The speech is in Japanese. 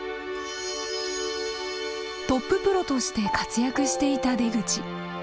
トッププロとして活躍していた出口。